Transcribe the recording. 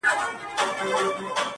چي هغه زه له خياله وباسمه.